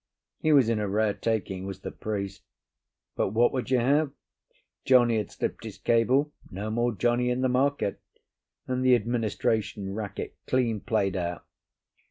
He was in a rare taking, was the priest. But what would you have? Johnny had slipped his cable; no more Johnny in the market; and the administration racket clean played out.